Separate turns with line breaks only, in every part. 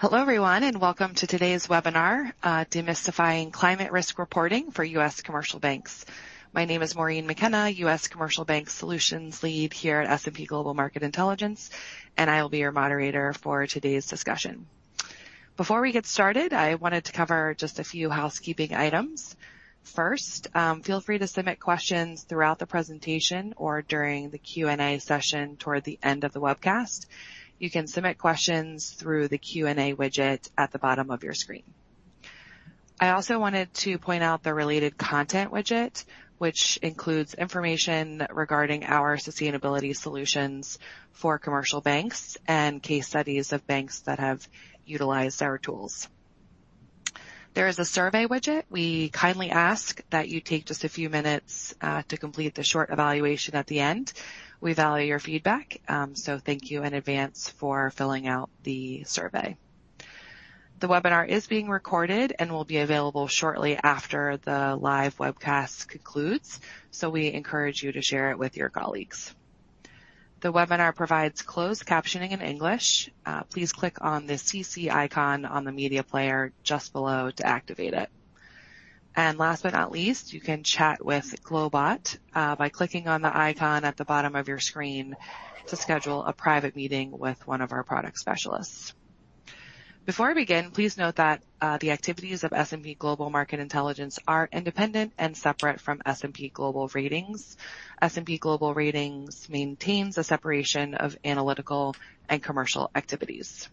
Hello, everyone, and welcome to today's webinar, Demystifying Climate Risk Reporting for U.S. Commercial Banks. My name is Maureen McKenna, U.S. Commercial Bank Solutions Lead here at S&P Global Market Intelligence, and I will be your moderator for today's discussion. Before we get started, I wanted to cover just a few housekeeping items. First, feel free to submit questions throughout the presentation or during the Q&A session toward the end of the webcast. You can submit questions through the Q&A widget at the bottom of your screen. I also wanted to point out the related content widget, which includes information regarding our sustainability solutions for commercial banks and case studies of banks that have utilized our tools. There is a survey widget. We kindly ask that you take just a few minutes to complete the short evaluation at the end. We value your feedback. Thank you in advance for filling out the survey. The webinar is being recorded and will be available shortly after the live webcast concludes. We encourage you to share it with your colleagues. The webinar provides closed captioning in English. Please click on the CC icon on the media player just below to activate it. Last but not least, you can chat with Globot by clicking on the icon at the bottom of your screen to schedule a private meeting with one of our product specialists. Before I begin, please note that the activities of S&P Global Market Intelligence are independent and separate from S&P Global Ratings. S&P Global Ratings maintains a separation of analytical and commercial activities.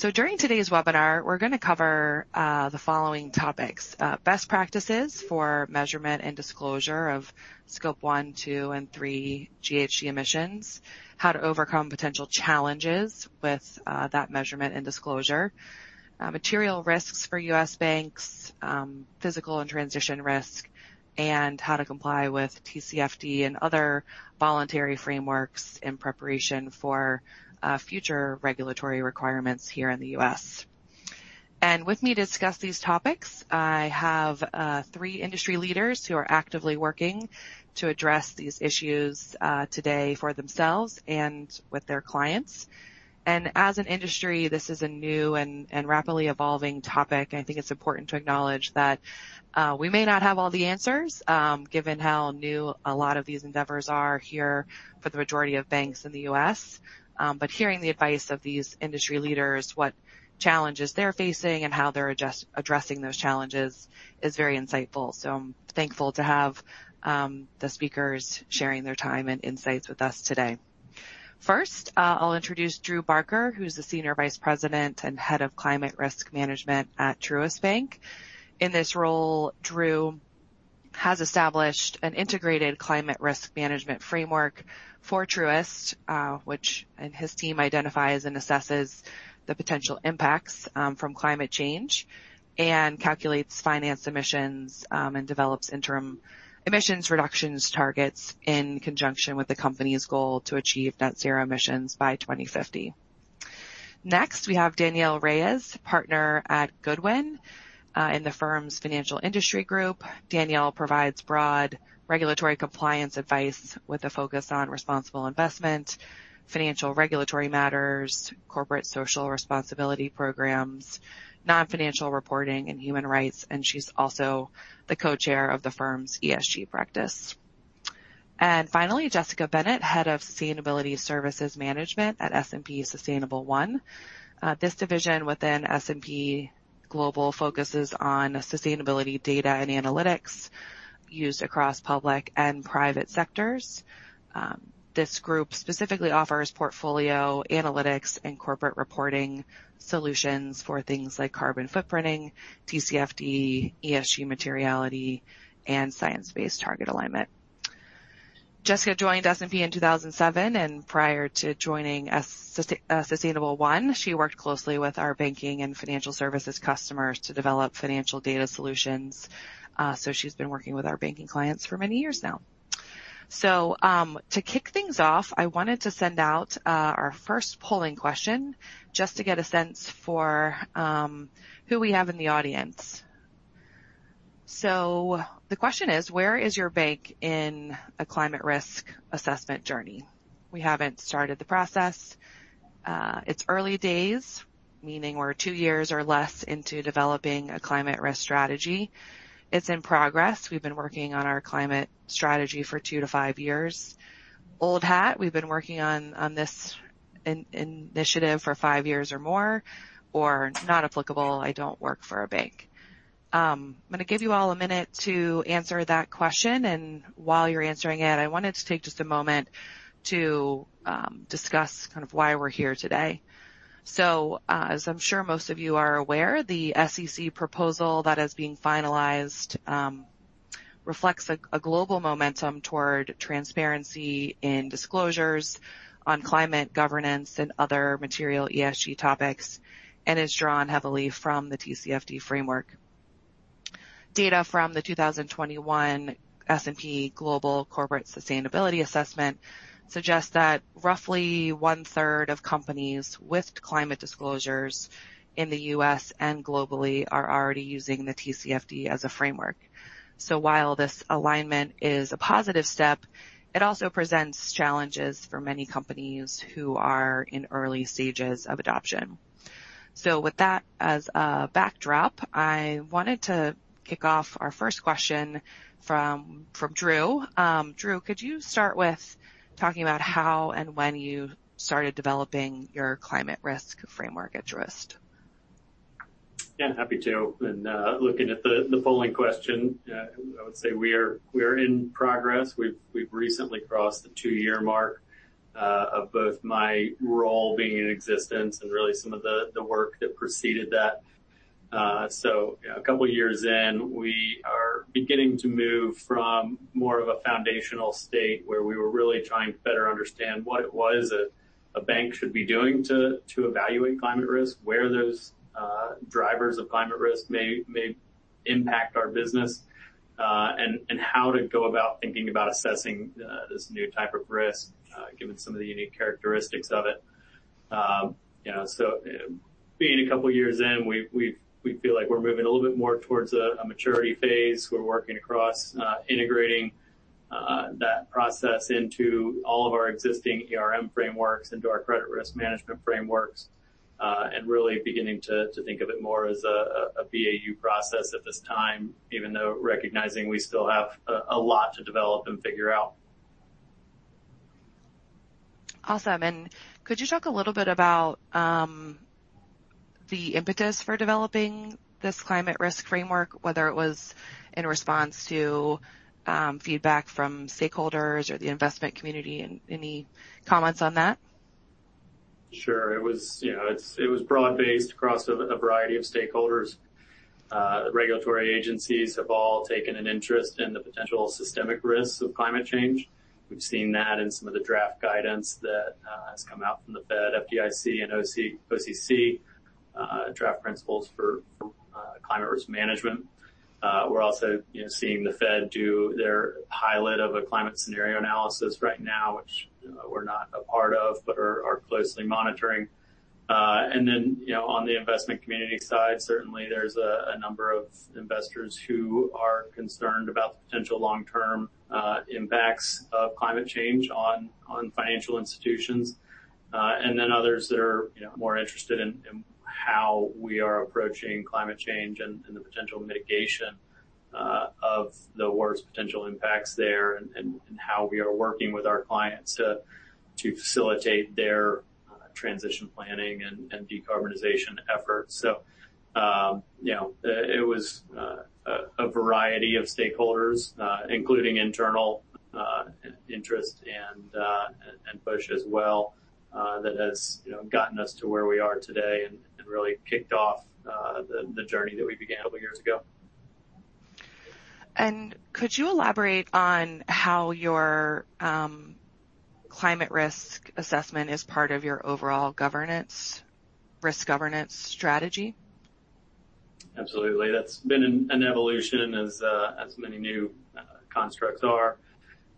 During today's webinar, we're going to cover the following topics: best practices for measurement and disclosure of Scope 1, 2, and 3 GHG emissions, how to overcome potential challenges with that measurement and disclosure, material risks for U.S. banks, physical and transition risk, and how to comply with TCFD and other voluntary frameworks in preparation for future regulatory requirements here in the U.S. With me to discuss these topics, I have three industry leaders who are actively working to address these issues today for themselves and with their clients. As an industry, this is a new and rapidly evolving topic. I think it's important to acknowledge that we may not have all the answers given how new a lot of these endeavors are here for the majority of banks in the U.S. But hearing the advice of these industry leaders, what challenges they're facing, and how they're addressing those challenges is very insightful. I'm thankful to have the speakers sharing their time and insights with us today. First, I'll introduce Drew Barker, who's the Senior Vice President and Head of Climate Risk Management at Truist Bank. In this role, Drew has established an integrated climate risk management framework for Truist, and his team identifies and assesses the potential impacts from climate change and calculates finance emissions and develops interim emissions reductions targets in conjunction with the company's goal to achieve net zero emissions by 2050. Next, we have Danielle Reyes, Partner at Goodwin, in the firm's financial industry group. Danielle provides broad regulatory compliance advice with a focus on responsible investment, financial regulatory matters, corporate social responsibility programs, non-financial reporting, and human rights, she's also the co-chair of the firm's ESG practice. Finally, Jessica Bennett, Head of Sustainability Services Management at S&P Sustainable1. This division within S&P Global focuses on sustainability data and analytics used across public and private sectors. This group specifically offers portfolio analytics and corporate reporting solutions for things like carbon footprinting, TCFD, ESG materiality, and science-based target alignment. Jessica joined S&P in 2007, prior to joining Sustainable1, she worked closely with our banking and financial services customers to develop financial data solutions. She's been working with our banking clients for many years now. To kick things off, I wanted to send out our first polling question just to get a sense for who we have in the audience. The question is: Where is your bank in a climate risk assessment journey? We haven't started the process. It's early days, meaning we're two years or less into developing a climate risk strategy. It's in progress. We've been working on our climate strategy for two-five years. Old hat, we've been working on this initiative for five years or more, or not applicable, I don't work for a bank. I'm going to give you all a minute to answer that question, and while you're answering it, I wanted to take just a moment to discuss kind of why we're here today. As I'm sure most of you are aware, the SEC proposal that is being finalized, reflects a global momentum toward transparency in disclosures on climate, governance, and other material ESG topics, and is drawn heavily from the TCFD framework. Data from the 2021 S&P Global Corporate Sustainability Assessment suggests that roughly one-third of companies with climate disclosures in the U.S. and globally are already using the TCFD as a framework. While this alignment is a positive step, it also presents challenges for many companies who are in early stages of adoption. With that as a backdrop, I wanted to kick off our first question from Drew. Drew, could you start with talking about how and when you started developing your climate risk framework at Truist?
Yeah, happy to. Looking at the polling question, I would say we are in progress. We've recently crossed the two-year mark of both my role being in existence and really some of the work that preceded that. A couple of years in, we are beginning to move from more of a foundational state where we were really trying to better understand what it was that a bank should be doing to evaluate climate risk, where those drivers of climate risk may impact our business, and how to go about thinking about assessing this new type of risk given some of the unique characteristics of it. You know, being a couple of years in, we feel like we're moving a little bit more towards a maturity phase. We're working across, integrating that process into all of our existing ERM frameworks, into our credit risk management frameworks, and really beginning to think of it more as a BAU process at this time, even though recognizing we still have a lot to develop and figure out.
Awesome. Could you talk a little bit about the impetus for developing this climate risk framework, whether it was in response to feedback from stakeholders or the investment community? Any comments on that?
Sure. It was, you know, broad-based across a variety of stakeholders. Regulatory agencies have all taken an interest in the potential systemic risks of climate change. We've seen that in some of the draft guidance that has come out from the Fed, FDIC and OCC, draft principles for climate risk management. We're also, you know, seeing the Fed do their pilot of a climate scenario analysis right now, which, you know, we're not a part of, but are closely monitoring. Then, you know, on the investment community side, certainly there's a number of investors who are concerned about the potential long-term impacts of climate change on financial institutions. Others that are, you know, more interested in how we are approaching climate change and the potential mitigation of the worst potential impacts there, and how we are working with our clients to facilitate their transition planning and decarbonization efforts. You know, it was a variety of stakeholders, including internal interest and push as well, that has, you know, gotten us to where we are today and really kicked off the journey that we began a couple of years ago.
Could you elaborate on how your climate risk assessment is part of your overall governance, risk governance strategy?
Absolutely. That's been an evolution as many new constructs are.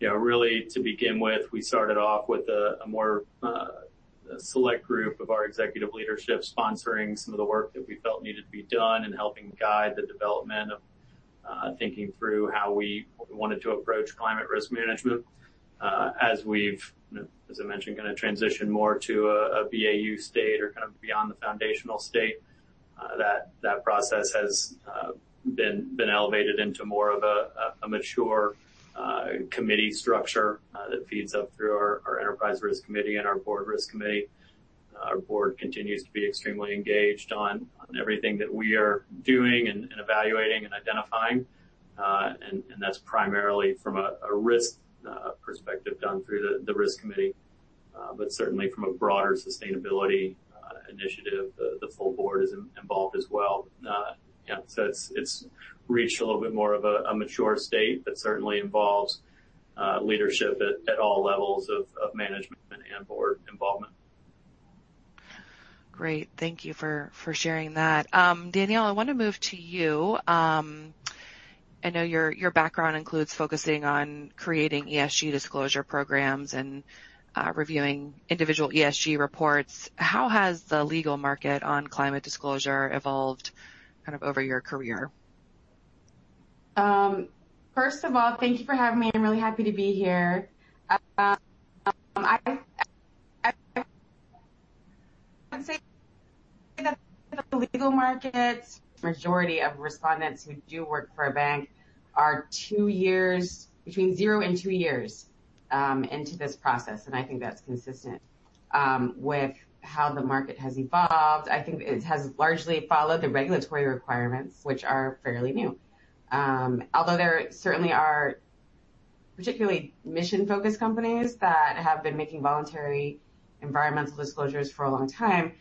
You know, really, to begin with, we started off with a more select group of our executive leadership sponsoring some of the work that we felt needed to be done and helping guide the development of thinking through how we wanted to approach climate risk management. As we've, as I mentioned, gonna transition more to a BAU state or kind of beyond the foundational state, that process has been elevated into more of a mature committee structure that feeds up through our enterprise risk committee and our board risk committee. Our board continues to be extremely engaged on everything that we are doing and evaluating and identifying. That's primarily from a risk perspective done through the risk committee, but certainly from a broader sustainability initiative, the full board is involved as well. It's reached a little bit more of a mature state that certainly involves leadership at all levels of management and board involvement.
Great. Thank you for sharing that. Danielle, I want to move to you. I know your background includes focusing on creating ESG disclosure programs and reviewing individual ESG reports. How has the legal market on climate disclosure evolved kind of over your career?
First of all, thank you for having me. I'm really happy to be here. I would say that the legal markets, majority of respondents who do work for a bank are two years, between zero and two years into this process, and I think that's consistent with how the market has evolved. I think it has largely followed the regulatory requirements, which are fairly new. Although there certainly are particularly mission-focused companies that have been making voluntary environmental disclosures for a long time,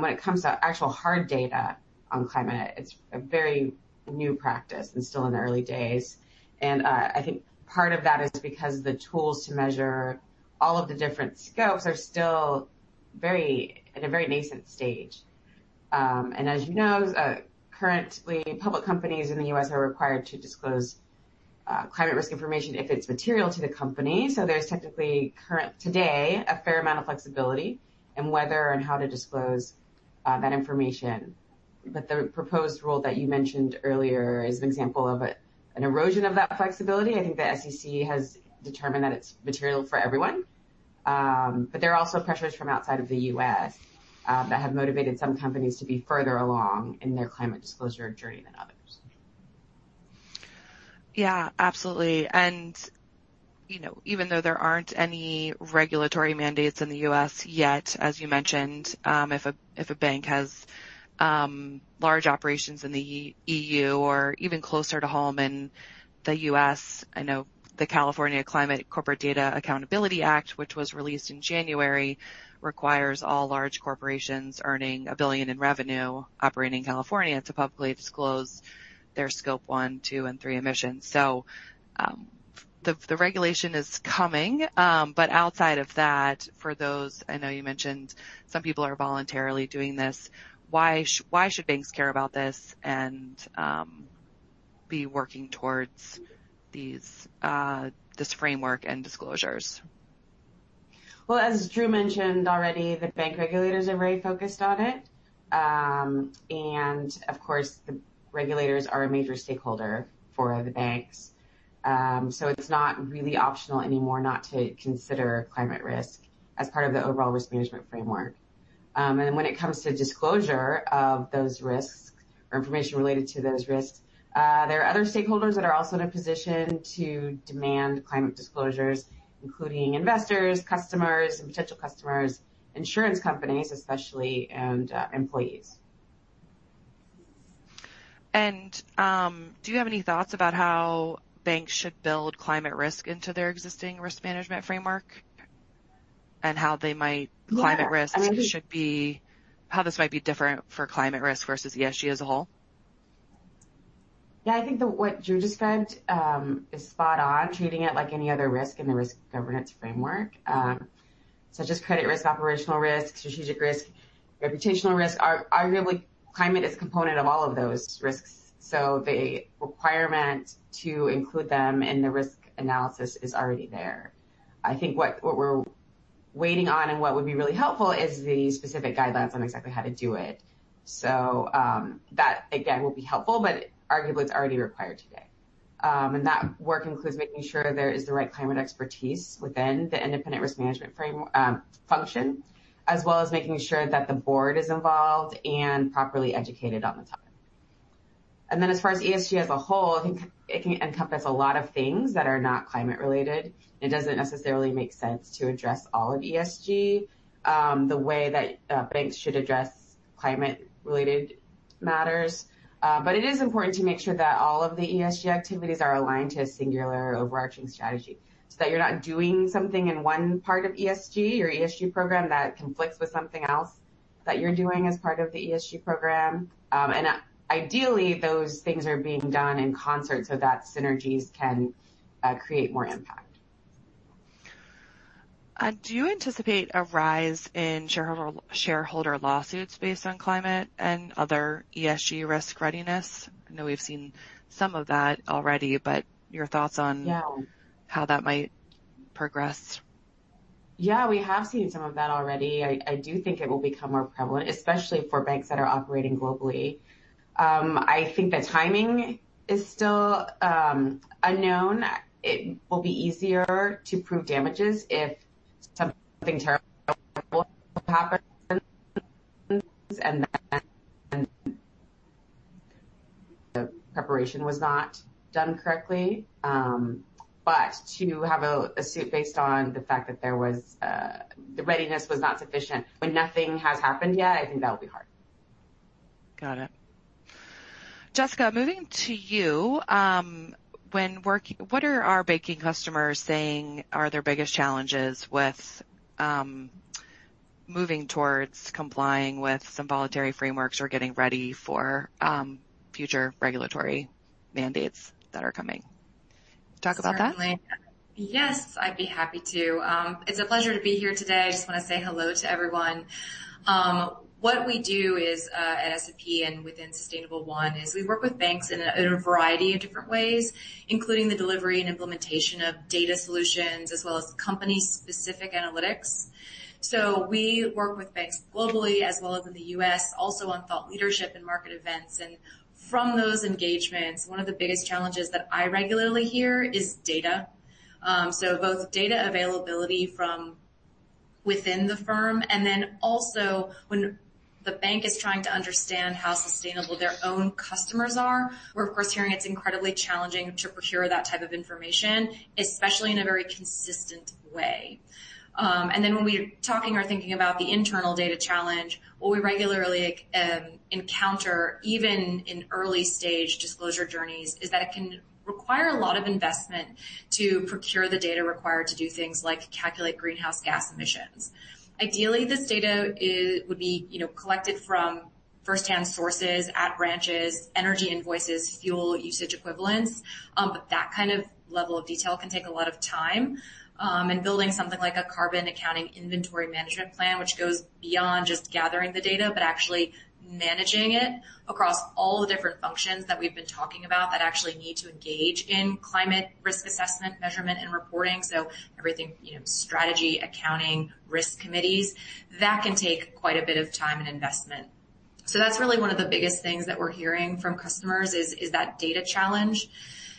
when it comes to actual hard data on climate, it's a very new practice and still in the early days. I think part of that is because the tools to measure all of the different scopes are still very, at a very nascent stage. As you know, currently, public companies in the U.S. are required to disclose climate risk information if it's material to the company. There's technically, current today, a fair amount of flexibility in whether and how to disclose that information. The proposed rule that you mentioned earlier is an example of an erosion of that flexibility. I think the SEC has determined that it's material for everyone. There are also pressures from outside of the U.S. that have motivated some companies to be further along in their climate disclosure journey than others.
Yeah, absolutely. You know, even though there aren't any regulatory mandates in the U.S. yet, as you mentioned, if a bank has large operations in the EU or even closer to home in the U.S., I know the California Climate Corporate Data Accountability Act, which was released in January, requires all large corporations earning a billion in revenue operating in California to publicly disclose their Scope 1, 2, and 3 emissions. The regulation is coming. Outside of that, for those... I know you mentioned some people are voluntarily doing this. Why should banks care about this and be working towards this framework and disclosures?
Well, as Drew mentioned already, the bank regulators are very focused on it. Of course, the regulators are a major stakeholder for the banks. It's not really optional anymore not to consider climate risk as part of the overall risk management framework. When it comes to disclosure of those risks or information related to those risks, there are other stakeholders that are also in a position to demand climate disclosures, including investors, customers, and potential customers, insurance companies, especially, and employees.
Do you have any thoughts about how banks should build climate risk into their existing risk management framework?
Yeah.
How this might be different for climate risk versus ESG as a whole?
Yeah, I think that what Drew described is spot on, treating it like any other risk in the risk governance framework, such as credit risk, operational risk, strategic risk, reputational risk. Arguably, climate is a component of all of those risks, so the requirement to include them in the risk analysis is already there. I think what we're waiting on and what would be really helpful is the specific guidelines on exactly how to do it. That again, will be helpful, but arguably it's already required today. That work includes making sure there is the right climate expertise within the independent risk management frame, function, as well as making sure that the board is involved and properly educated on the topic. As far as ESG as a whole, I think it can encompass a lot of things that are not climate-related. It doesn't necessarily make sense to address all of ESG, the way that banks should address climate-related matters. It is important to make sure that all of the ESG activities are aligned to a singular overarching strategy, so that you're not doing something in one part of ESG or ESG program that conflicts with something else that you're doing as part of the ESG program. Ideally, those things are being done in concert so that synergies can create more impact.
Do you anticipate a rise in shareholder lawsuits based on climate and other ESG risk readiness? I know we've seen some of that already, but your thoughts on-
Yeah
how that might progress.
Yeah, we have seen some of that already. I do think it will become more prevalent, especially for banks that are operating globally. I think the timing is still unknown. It will be easier to prove damages if something terrible happens. The preparation was not done correctly. To have a suit based on the fact that there was the readiness was not sufficient when nothing has happened yet, I think that would be hard.
Got it. Jessica, moving to you. When working, what are our banking customers saying are their biggest challenges with, moving towards complying with some voluntary frameworks or getting ready for, future regulatory mandates that are coming? Talk about that.
Certainly. Yes, I'd be happy to. It's a pleasure to be here today. I just want to say hello to everyone. What we do is at S&P and within Sustainable1, is we work with banks in a variety of different ways, including the delivery and implementation of data solutions, as well as company-specific analytics. We work with banks globally as well as in the U.S., also on thought leadership and market events. From those engagements, one of the biggest challenges that I regularly hear is data. Both data availability from within the firm and then also when the bank is trying to understand how sustainable their own customers are. We're, of course, hearing it's incredibly challenging to procure that type of information, especially in a very consistent way. Then when we're talking or thinking about the internal data challenge, what we regularly encounter, even in early-stage disclosure journeys, is that it can require a lot of investment to procure the data required to do things like calculate greenhouse gas emissions. Ideally, this data is, would be, you know, collected from first-hand sources at branches, energy invoices, fuel usage equivalents. That kind of level of detail can take a lot of time, and building something like a carbon accounting inventory management plan, which goes beyond just gathering the data, but actually managing it across all the different functions that we've been talking about that actually need to engage in climate risk assessment, measurement, and reporting. Everything, you know, strategy, accounting, risk committees, that can take quite a bit of time and investment. That's really one of the biggest things that we're hearing from customers is that data challenge.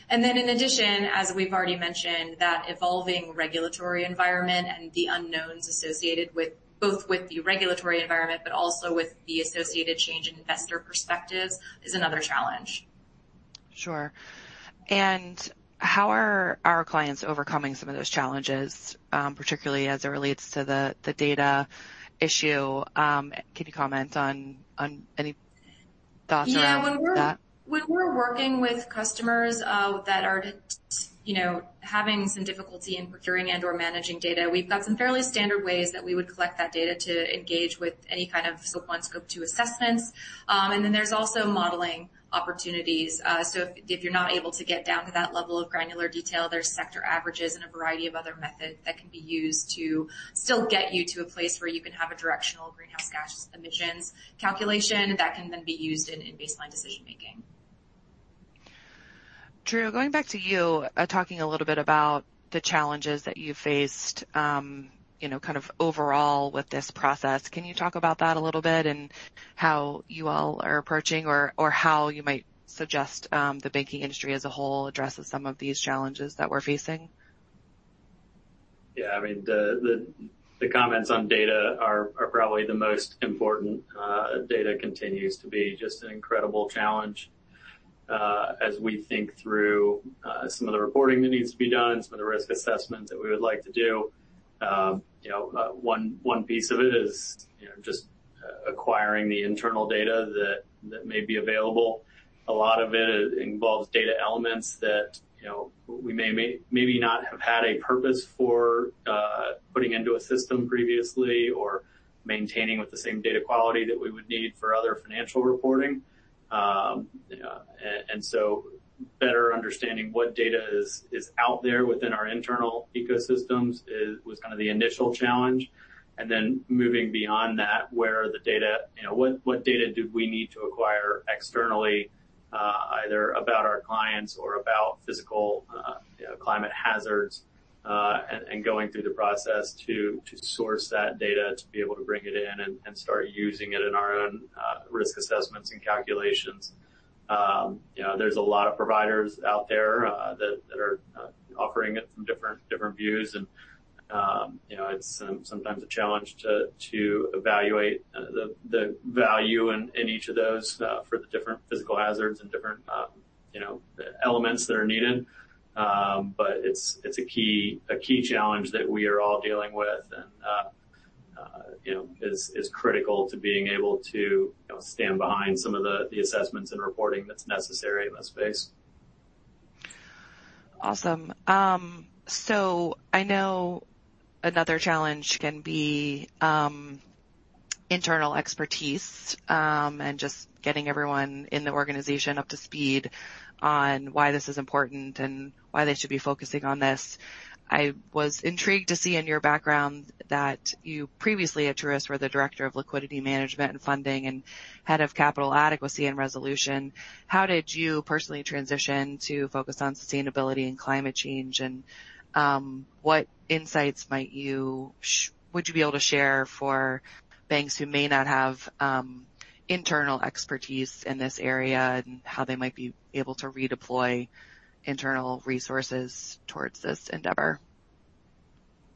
In addition, as we've already mentioned, that evolving regulatory environment and the unknowns associated both with the regulatory environment, but also with the associated change in investor perspectives, is another challenge.
Sure. How are our clients overcoming some of those challenges, particularly as it relates to the data issue? Can you comment on any thoughts around that?
Yeah, when we're working with customers, you know, that are having some difficulty in procuring and/or managing data, we've got some fairly standard ways that we would collect that data to engage with any kind of Scope 1, Scope 2 assessments. There's also modeling opportunities. If you're not able to get down to that level of granular detail, there's sector averages and a variety of other methods that can be used to still get you to a place where you can have a directional greenhouse gas emissions calculation that can then be used in baseline decision making.
Drew, going back to you, talking a little bit about the challenges that you faced, you know, kind of overall with this process, can you talk about that a little bit and how you all are approaching or how you might suggest, the banking industry as a whole addresses some of these challenges that we're facing?
Yeah, I mean, the comments on data are probably the most important. Data continues to be just an incredible challenge as we think through some of the reporting that needs to be done, some of the risk assessments that we would like to do. You know, one piece of it is, you know, just acquiring the internal data that may be available. A lot of it involves data elements that, you know, we maybe not have had a purpose for putting into a system previously or maintaining with the same data quality that we would need for other financial reporting. Better understanding what data is out there within our internal ecosystems was kind of the initial challenge. Moving beyond that, where the data, you know, what data do we need to acquire externally, either about our clients or about physical climate hazards, and going through the process to source that data, to be able to bring it in and start using it in our own risk assessments and calculations. You know, there's a lot of providers out there that are offering it from different views, and, you know, it's sometimes a challenge to evaluate the value in each of those for the different physical hazards and different, you know, elements that are needed. It's a key challenge that we are all dealing with and, you know, is critical to being able to, you know, stand behind some of the assessments and reporting that's necessary in this space.
Awesome. I know another challenge can be internal expertise, and just getting everyone in the organization up to speed on why this is important and why they should be focusing on this. I was intrigued to see in your background that you previously, at Truist Bank, were the Director of Liquidity Management and Funding, and Head of Capital Adequacy and Resolution. How did you personally transition to focus on sustainability and climate change, and what insights might you would you be able to share for banks who may not have internal expertise in this area and how they might be able to redeploy internal resources towards this endeavor?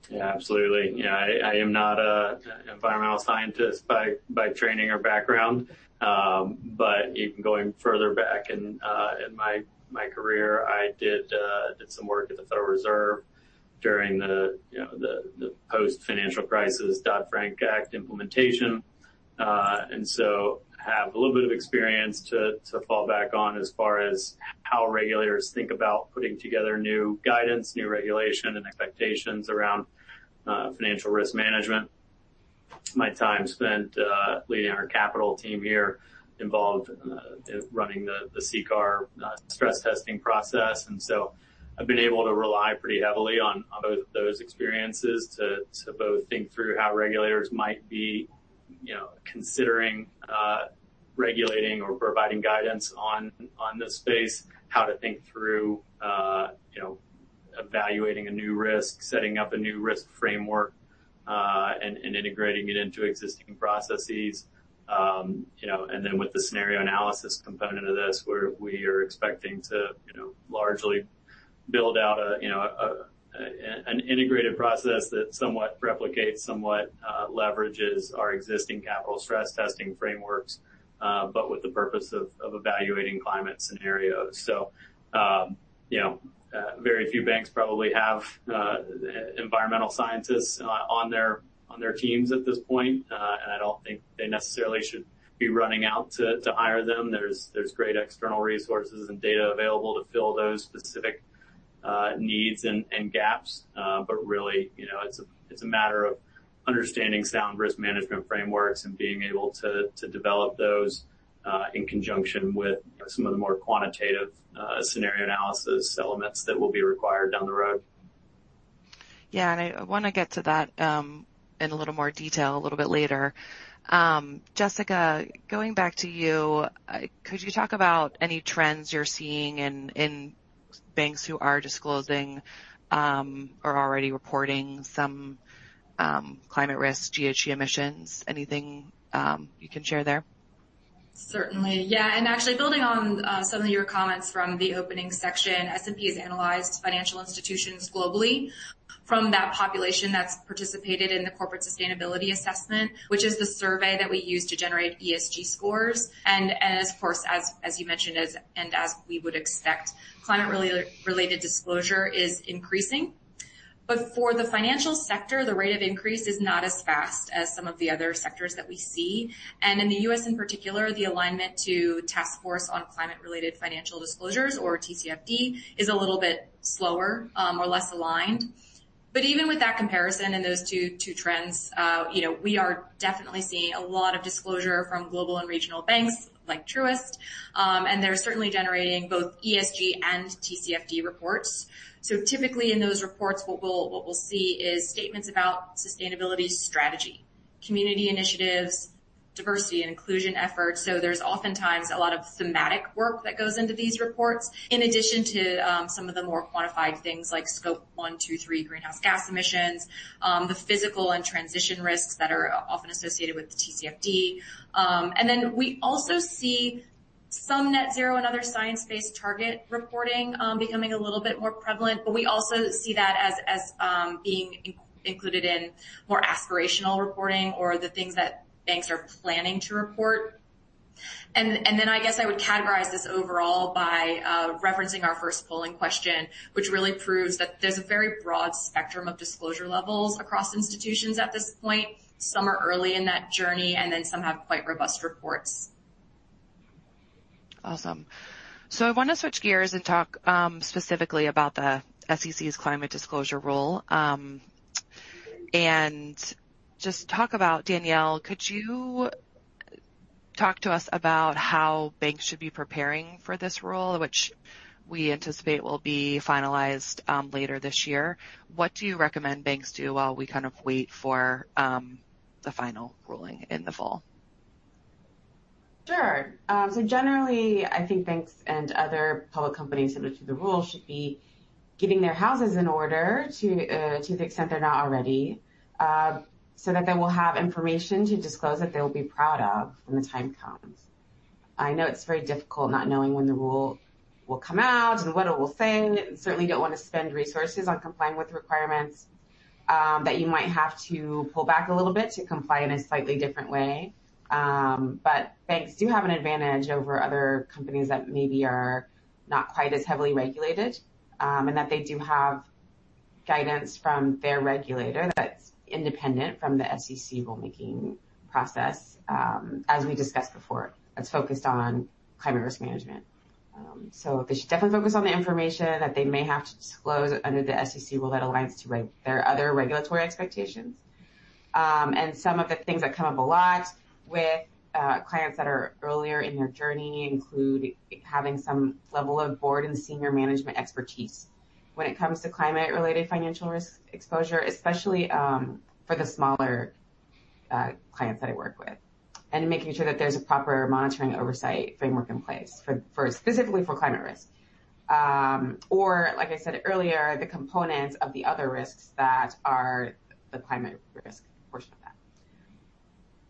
Yeah, absolutely. You know, I am not an environmental scientist by training or background, but even going further back in my career, I did some work at the Federal Reserve during you know, the post-financial crisis Dodd-Frank Act implementation. I have a little bit of experience to fall back on as far as how regulators think about putting together new guidance, new regulation, and expectations around financial risk management. My time spent leading our capital team here involved in running the CCAR stress testing process. I've been able to rely pretty heavily on both those experiences to both think through how regulators might be, you know, considering regulating or providing guidance on this space, how to think through, you know, evaluating a new risk, setting up a new risk framework, and integrating it into existing processes. You know, with the scenario analysis component of this, we are expecting to, you know, largely build out, you know, an integrated process that somewhat replicates, somewhat leverages our existing capital stress testing frameworks, but with the purpose of evaluating climate scenarios. You know, very few banks probably have environmental scientists on their teams at this point, and I don't think they necessarily should be running out to hire them. There's great external resources and data available to fill those specific needs and gaps. But really, you know, it's a matter of understanding sound risk management frameworks and being able to develop those in conjunction with some of the more quantitative scenario analysis elements that will be required down the road.
Yeah, I want to get to that, in a little more detail a little bit later. Jessica, going back to you, could you talk about any trends you're seeing in banks who are disclosing, are already reporting some, climate risk, GHG emissions? Anything, you can share there?
Certainly, yeah. Actually building on some of your comments from the opening section, S&P has analyzed financial institutions globally from that population that's participated in the Corporate Sustainability Assessment, which is the survey that we use to generate ESG scores. As, of course, as you mentioned, and as we would expect, climate-related disclosure is increasing. For the financial sector, the rate of increase is not as fast as some of the other sectors that we see. In the U.S., in particular, the alignment to Task Force on Climate-related Financial Disclosures, or TCFD, is a little bit slower or less aligned. Even with that comparison and those two trends, you know, we are definitely seeing a lot of disclosure from global and regional banks, like Truist, and they're certainly generating both ESG and TCFD reports. Typically in those reports, what we'll see is statements about sustainability strategy, community initiatives, diversity and inclusion efforts. There's oftentimes a lot of thematic work that goes into these reports, in addition to some of the more quantified things like Scope 1, 2, 3 greenhouse gas emissions, the physical and transition risks that are often associated with the TCFD. We also see some net zero and other science-based target reporting becoming a little bit more prevalent, but we also see that as being included in more aspirational reporting or the things that banks are planning to report. I guess I would categorize this overall by referencing our first polling question, which really proves that there's a very broad spectrum of disclosure levels across institutions at this point. Some are early in that journey, and then some have quite robust reports.
Awesome. I want to switch gears and talk specifically about the SEC's climate disclosure rule. Danielle, could you talk to us about how banks should be preparing for this rule, which we anticipate will be finalized later this year? What do you recommend banks do while we kind of wait for the final ruling in the fall?
Sure. Generally, I think banks and other public companies subject to the rule should be getting their houses in order to the extent they're not already, so that they will have information to disclose that they will be proud of when the time comes. I know it's very difficult not knowing when the rule will come out and what it will say, and certainly don't want to spend resources on complying with requirements that you might have to pull back a little bit to comply in a slightly different way. Banks do have an advantage over other companies that maybe are not quite as heavily regulated, and that they do have guidance from their regulator that's independent from the SEC rulemaking process, as we discussed before, that's focused on climate risk management. They should definitely focus on the information that they may have to disclose under the SEC rule that aligns to their other regulatory expectations. Some of the things that come up a lot with clients that are earlier in their journey include having some level of board and senior management expertise when it comes to climate-related financial risk exposure, especially for the smaller clients that I work with, and making sure that there's a proper monitoring oversight framework in place for specifically for climate risk. Like I said earlier, the components of the other risks that are the climate risk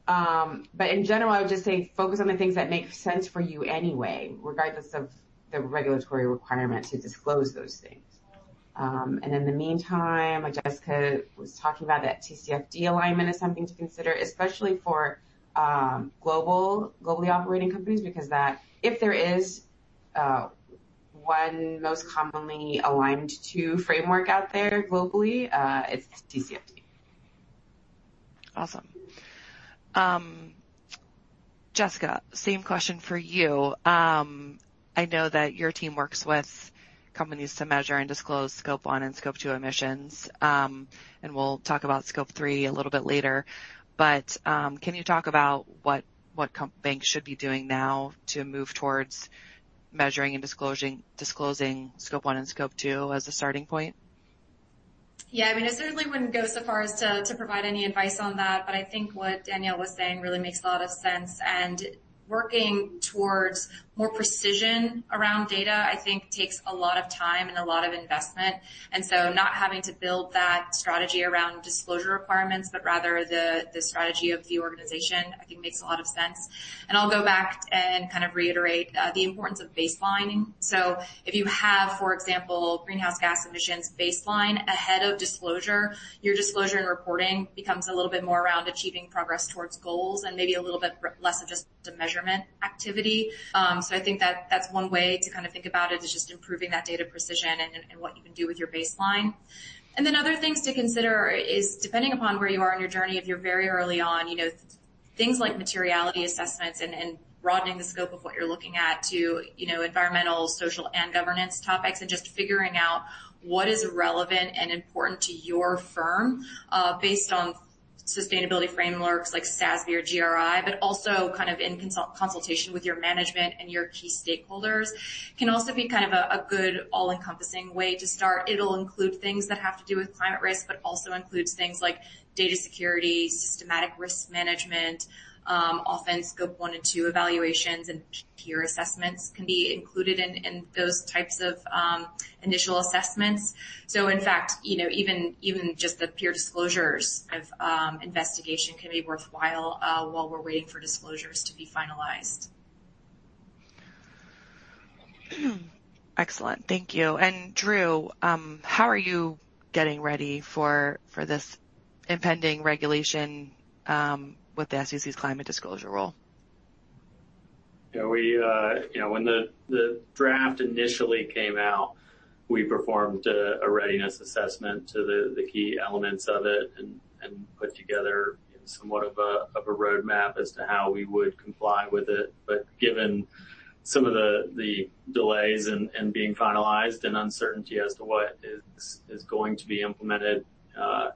portion of that. In general, I would just say focus on the things that make sense for you anyway, regardless of the regulatory requirement to disclose those things. In the meantime, Jessica was talking about that TCFD alignment is something to consider, especially for global, globally operating companies, because if there is one most commonly aligned to framework out there globally, it's TCFD.
Awesome. Jessica, same question for you. I know that your team works with companies to measure and disclose Scope 1 and Scope 2 emissions, and we'll talk about Scope 3 a little bit later. Can you talk about what banks should be doing now to move towards measuring and disclosing Scope 1 and Scope 2 as a starting point?
I mean, I certainly wouldn't go so far as to provide any advice on that, but I think what Danielle was saying really makes a lot of sense. Working towards more precision around data, I think takes a lot of time and a lot of investment. Not having to build that strategy around disclosure requirements, but rather the strategy of the organization, I think makes a lot of sense. I'll go back and kind of reiterate the importance of baselining. If you have, for example, greenhouse gas emissions baseline ahead of disclosure, your disclosure and reporting becomes a little bit more around achieving progress towards goals and maybe a little bit less of just a measurement activity. I think that that's one way to kind of think about it, is just improving that data precision and what you can do with your baseline. Other things to consider is depending upon where you are in your journey, if you're very early on, you know, things like materiality assessments and broadening the scope of what you're looking at to, you know, environmental, social, and governance topics, and just figuring out what is relevant and important to your firm, based on sustainability frameworks like SASB or GRI, but also kind of in consultation with your management and your key stakeholders, can also be a good all-encompassing way to start. It'll include things that have to do with climate risk, but also includes things like data security, systematic risk management, often Scope 1 and 2 evaluations and peer assessments can be included in those types of initial assessments. In fact, you know, even just the peer disclosures of investigation can be worthwhile while we're waiting for disclosures to be finalized.
Excellent. Thank you. Drew, how are you getting ready for this impending regulation with the SEC's climate disclosure role?
Yeah, we, you know, when the draft initially came out, we performed a readiness assessment to the key elements of it and put together somewhat of a roadmap as to how we would comply with it. Given some of the delays in being finalized and uncertainty as to what is going to be implemented,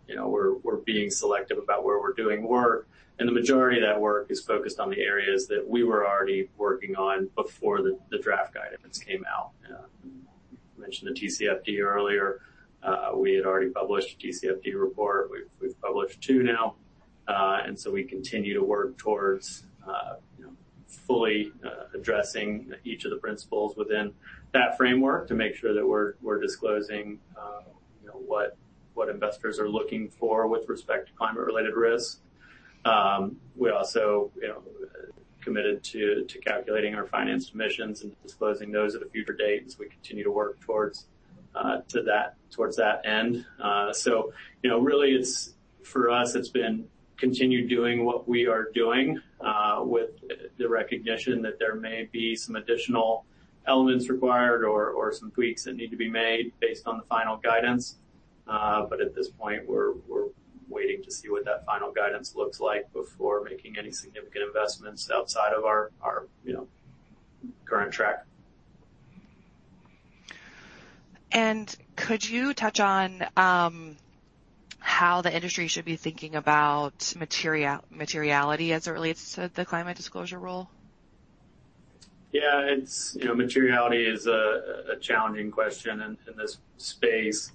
you know, we're being selective about where we're doing work, and the majority of that work is focused on the areas that we were already working on before the draft guidance came out. You know, you mentioned the TCFD earlier. We had already published a TCFD report. We've published two now. We continue to work towards, you know, fully addressing each of the principles within that framework to make sure that we're disclosing, you know, what investors are looking for with respect to climate-related risks. We also, you know, committed to calculating our finance emissions and disclosing those at a future date as we continue to work towards that end. You know, really, for us, it's been continued doing what we are doing with the recognition that there may be some additional elements required or some tweaks that need to be made based on the final guidance. At this point, we're waiting to see what that final guidance looks like before making any significant investments outside of our, you know, current track.
Could you touch on how the industry should be thinking about materiality as it relates to the climate disclosure role?
Yeah, it's, you know, materiality is a challenging question in this space,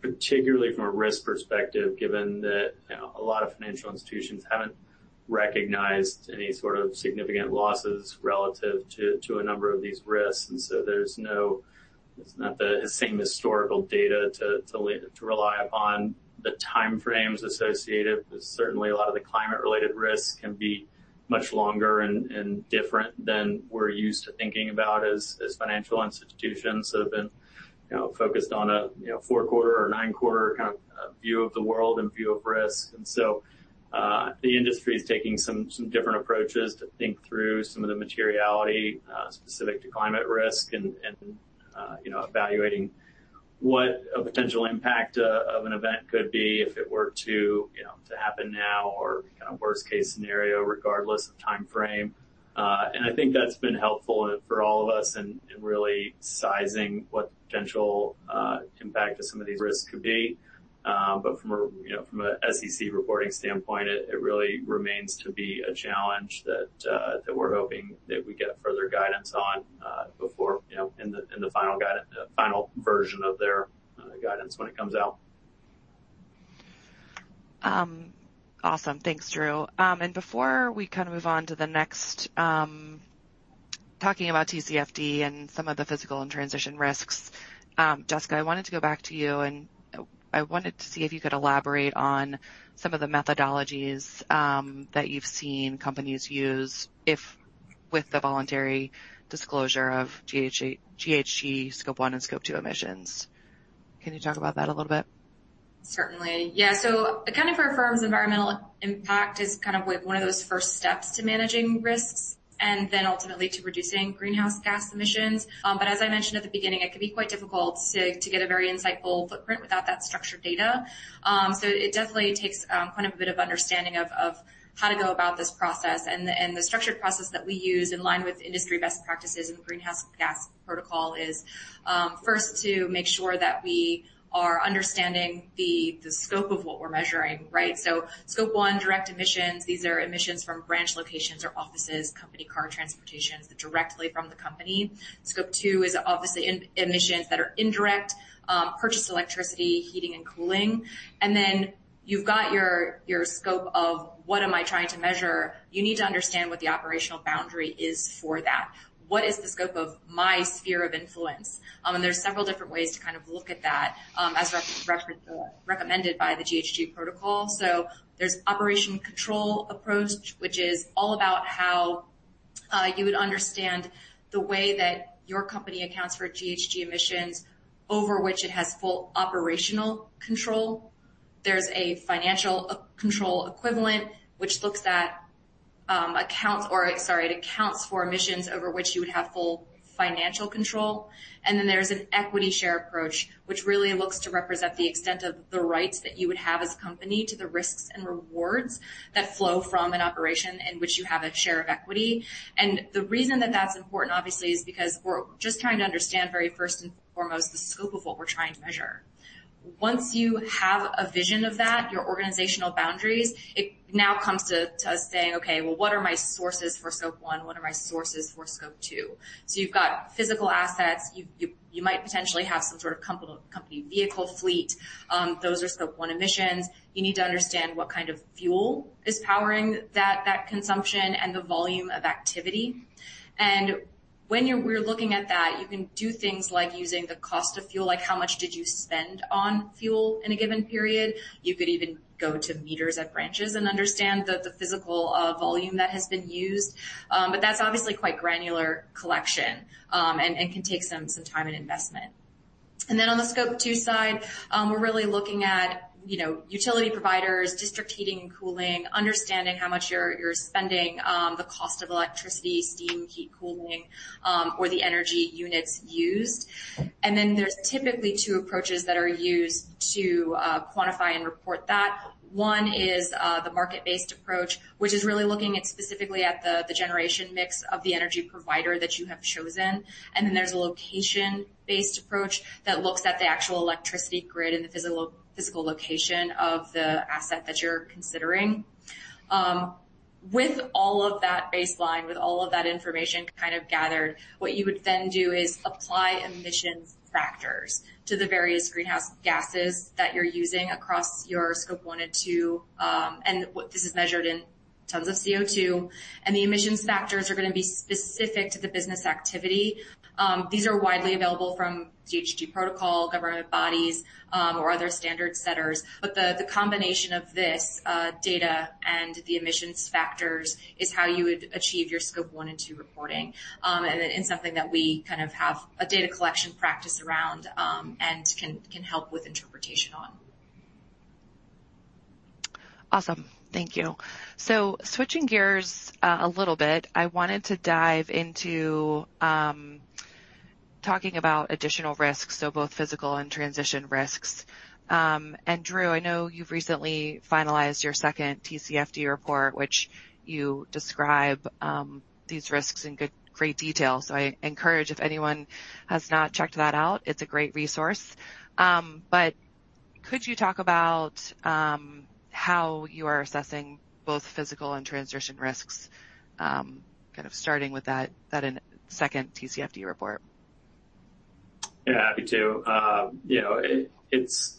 particularly from a risk perspective, given that, you know, a lot of financial institutions haven't recognized any sort of significant losses relative to a number of these risks. It's not the same historical data to rely upon the time frames associated. Certainly, a lot of the climate-related risks can be much longer and different than we're used to thinking about as financial institutions that have been, you know, focused on a, you know, four-quarter or nine-quarter kind of view of the world and view of risk. The industry is taking some different approaches to think through some of the materiality specific to climate risk and evaluating what a potential impact of an event could be if it were to happen now or kind of worst-case scenario, regardless of time frame. I think that's been helpful for all of us in really sizing what potential impact to some of these risks could be. From a, you know, from a SEC reporting standpoint, it really remains to be a challenge that we're hoping that we get further guidance on before, you know, in the final version of their guidance when it comes out.
Awesome. Thanks, Drew. Before we kind of move on to the next, talking about TCFD and some of the physical and transition risks, Jessica, I wanted to go back to you, and I wanted to see if you could elaborate on some of the methodologies that you've seen companies use if with the voluntary disclosure of GHG Scope 1 and Scope 2 emissions. Can you talk about that a little bit?
Certainly. Accounting for a firm's environmental impact is kind of one of those first steps to managing risks and then ultimately to reducing greenhouse gas emissions. But as I mentioned at the beginning, it can be quite difficult to get a very insightful footprint without that structured data. So it definitely takes quite a bit of understanding of how to go about this process. And the structured process that we use in line with industry best practices and the Greenhouse Gas Protocol is first, to make sure that we are understanding the scope of what we're measuring, right? Scope 1, direct emissions, these are emissions from branch locations or offices, company car transportations, directly from the company. Scope 2 is obviously emissions that are indirect, purchased electricity, heating and cooling. You've got your scope of: what am I trying to measure? You need to understand what the operational boundary is for that. What is the scope of my sphere of influence? There's several different ways to kind of look at that, as recommended by the GHG Protocol. There's operation control approach, which is all about how you would understand the way that your company accounts for GHG emissions over which it has full operational control. There's a financial control equivalent, which accounts for emissions over which you would have full financial control. Then there's an equity share approach, which really looks to represent the extent of the rights that you would have as a company to the risks and rewards that flow from an operation in which you have a share of equity. The reason that that's important, obviously, is because we're just trying to understand very first and foremost, the scope of what we're trying to measure. Once you have a vision of that, your organizational boundaries, it now comes to us saying, "Okay, well, what are my sources for Scope 1? What are my sources for Scope 2?" You've got physical assets. You might potentially have some sort of company vehicle fleet. Those are Scope 1 emissions. You need to understand what kind of fuel is powering that consumption and the volume of activity. When we're looking at that, you can do things like using the cost of fuel, like how much did you spend on fuel in a given period? You could even go to meters at branches and understand the physical volume that has been used. But that's obviously quite granular collection, and can take some time and investment. Then on the Scope 2 side, we're really looking at, you know, utility providers, district heating and cooling, understanding how much you're spending, the cost of electricity, steam, heat, cooling, or the energy units used. Then there's typically two approaches that are used to quantify and report that. One is the market-based approach, which is really looking specifically at the generation mix of the energy provider that you have chosen. There's a location-based approach that looks at the actual electricity grid and the physical location of the asset that you're considering. With all of that baseline, with all of that information kind of gathered, what you would then do is apply emissions factors to the various greenhouse gases that you're using across your Scope 1 and 2. This is measured in tons of CO2, and the emissions factors are going to be specific to the business activity. These are widely available from GHG Protocol, government bodies, or other standard setters. The combination of this data and the emissions factors is how you would achieve your Scope 1 and 2 reporting, and it's something that we kind of have a data collection practice around and can help with interpretation on.
Awesome. Thank you. Switching gears, a little bit, I wanted to dive into, talking about additional risks, so both physical and transition risks. Drew, I know you've recently finalized your second TCFD report, which you describe, these risks in great detail. I encourage, if anyone has not checked that out, it's a great resource. Could you talk about, how you are assessing both physical and transition risks, kind of starting with that second TCFD report?
Yeah, happy to. You know, it's,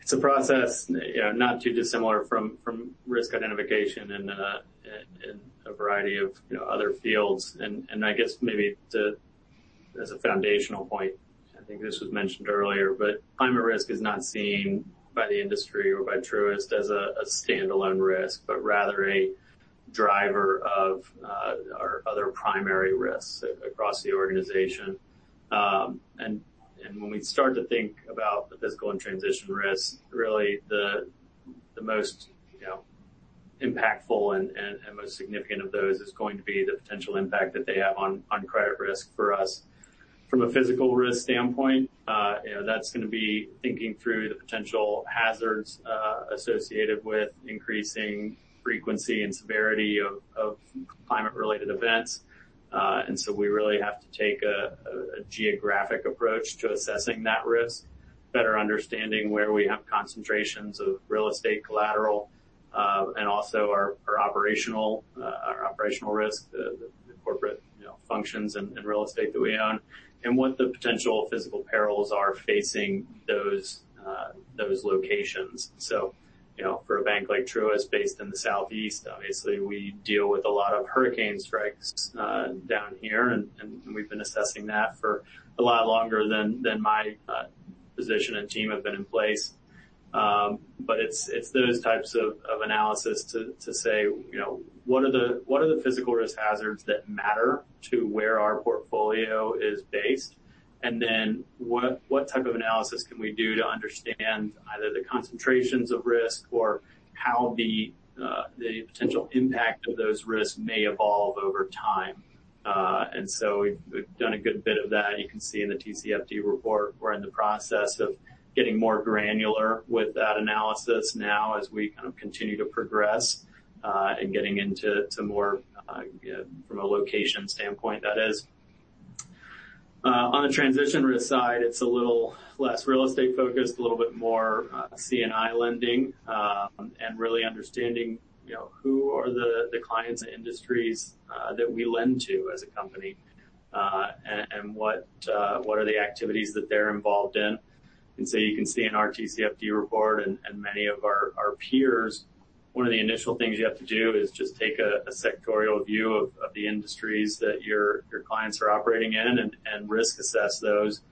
it's a process, you know, not too dissimilar from risk identification and in a variety of, you know, other fields. I guess maybe to, as a foundational point, I think this was mentioned earlier, but climate risk is not seen by the industry or by Truist as a standalone risk, but rather a driver of our other primary risks across the organization. When we start to think about the physical and transition risks, really, the most, you know, impactful and most significant of those is going to be the potential impact that they have on credit risk for us. From a physical risk standpoint, you know, that's going to be thinking through the potential hazards associated with increasing frequency and severity of climate-related events. We really have to take a geographic approach to assessing that risk, better understanding where we have concentrations of real estate collateral, and also our operational risk, the corporate, you know, functions and real estate that we own, and what the potential physical perils are facing those locations. You know, for a bank like Truist, based in the Southeast, obviously, we deal with a lot of hurricane strikes down here, and we've been assessing that for a lot longer than my position and team have been in place. It's those types of analysis to say, you know, what are the physical risk hazards that matter to where our portfolio is based? What type of analysis can we do to understand either the concentrations of risk or how the potential impact of those risks may evolve over time? We've done a good bit of that. You can see in the TCFD report, we're in the process of getting more granular with that analysis now as we kind of continue to progress and getting into to more, you know, from a location standpoint, that is. On the transition risk side, it's a little less real estate-focused, a little bit more C&I lending and really understanding, you know, who are the clients and industries that we lend to as a company and what are the activities that they're involved in? You can see in our TCFD report and many of our peers, one of the initial things you have to do is just take a sectorial view of the industries that your clients are operating in and risk assess those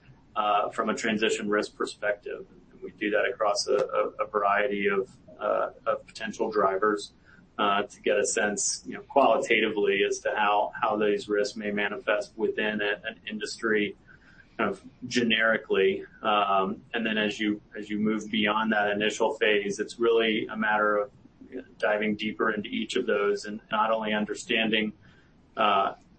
from a transition risk perspective. We do that across a variety of potential drivers to get a sense, you know, qualitatively as to how these risks may manifest within an industry kind of generically. As you move beyond that initial phase, it's really a matter of diving deeper into each of those and not only understanding......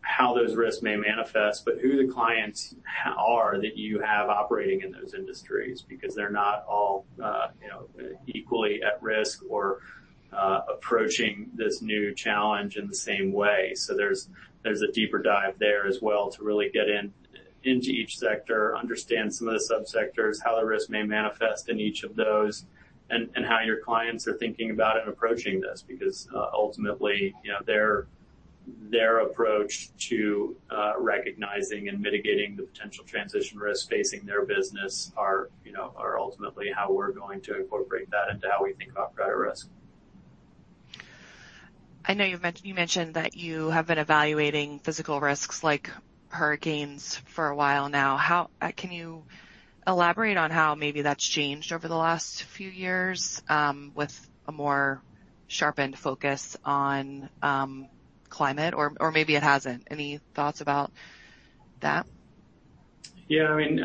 how those risks may manifest, but who the clients are that you have operating in those industries, because they're not all, you know, equally at risk or approaching this new challenge in the same way. There's a deeper dive there as well to really get into each sector, understand some of the subsectors, how the risk may manifest in each of those, and how your clients are thinking about and approaching this. Ultimately, you know, their approach to recognizing and mitigating the potential transition risks facing their business are, you know, ultimately how we're going to incorporate that into how we think about credit risk.
I know you mentioned that you have been evaluating physical risks like hurricanes for a while now. Can you elaborate on how maybe that's changed over the last few years, with a more sharpened focus on climate? Maybe it hasn't. Any thoughts about that?
Yeah, I mean,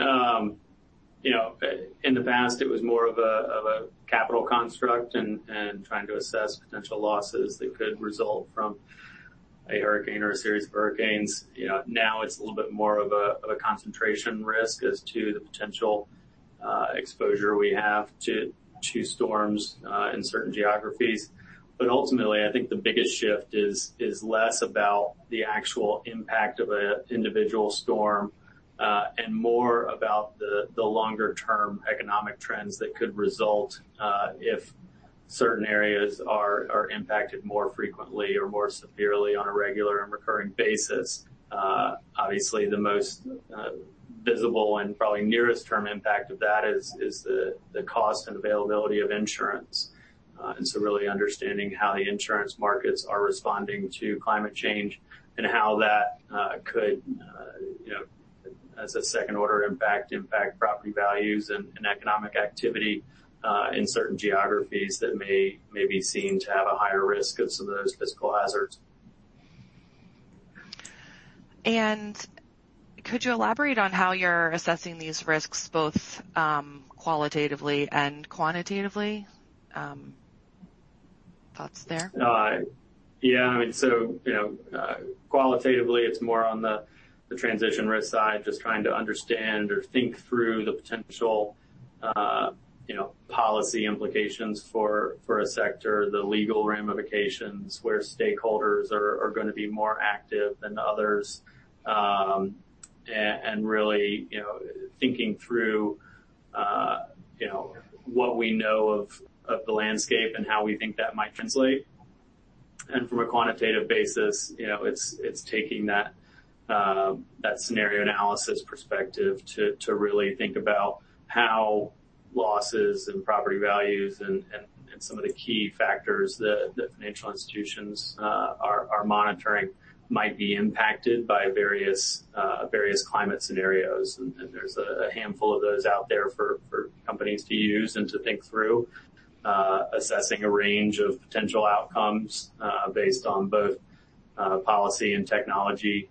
you know, in the past, it was more of a, of a capital construct and trying to assess potential losses that could result from a hurricane or a series of hurricanes. You know, now it's a little bit more of a, of a concentration risk as to the potential exposure we have to storms in certain geographies. Ultimately, I think the biggest shift is less about the actual impact of an individual storm and more about the longer-term economic trends that could result if certain areas are impacted more frequently or more severely on a regular and recurring basis. Obviously, the most visible and probably nearest term impact of that is the cost and availability of insurance. Really understanding how the insurance markets are responding to climate change and how that could, you know, as a second-order impact property values and economic activity, in certain geographies that maybe seem to have a higher risk of some of those physical hazards.
Could you elaborate on how you're assessing these risks, both qualitatively and quantitatively? Thoughts there?
Yeah, I mean, so, you know, qualitatively, it's more on the transition risk side, just trying to understand or think through the potential, you know, policy implications for a sector, the legal ramifications where stakeholders are going to be more active than others. And, and really, you know, thinking through, you know, what we know of the landscape and how we think that might translate. From a quantitative basis, you know, it's taking that scenario analysis perspective to really think about how losses and property values and some of the key factors that financial institutions are monitoring might be impacted by various climate scenarios. There's a handful of those out there for companies to use and to think through, assessing a range of potential outcomes, based on both policy and technology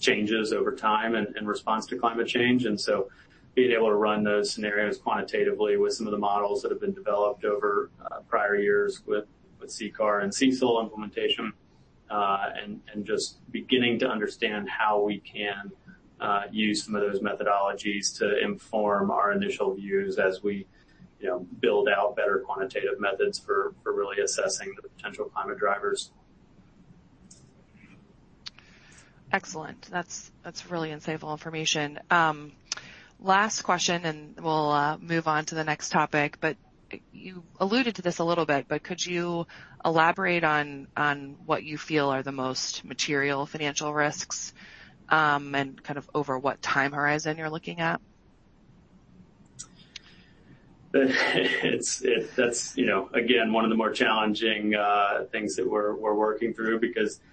changes over time and in response to climate change. Being able to run those scenarios quantitatively with some of the models that have been developed over prior years with CCAR and CECL implementation, and just beginning to understand how we can use some of those methodologies to inform our initial views as we, you know, build out better quantitative methods for really assessing the potential climate drivers.
Excellent. That's really insightful information. Last question, and we'll move on to the next topic, but you alluded to this a little bit, but could you elaborate on what you feel are the most material financial risks, and kind of over what time horizon you're looking at?
That's, you know, again, one of the more challenging things that we're working through because, you know,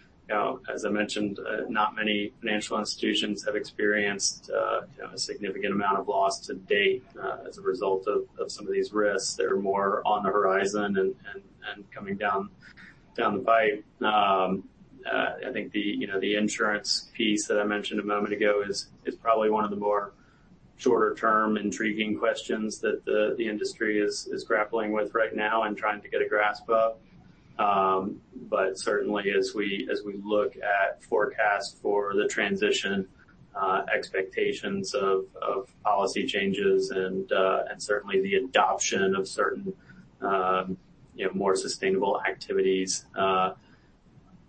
as I mentioned, not many financial institutions have experienced, you know, a significant amount of loss to date, as a result of some of these risks that are more on the horizon and coming down the pipe. I think the, you know, the insurance piece that I mentioned a moment ago is probably one of the more shorter-term, intriguing questions that the industry is grappling with right now and trying to get a grasp of. Certainly as we look at forecasts for the transition, expectations of policy changes and certainly the adoption of certain, you know, more sustainable activities,